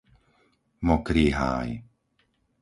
Mokrý Háj